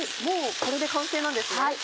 もうこれで完成なんですね？